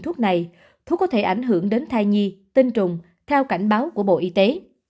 nếu bệnh nhân dị ứng dùng thuốc này thuốc có thể ảnh hưởng đến thai nhi tinh trùng theo cảnh báo của bộ y tế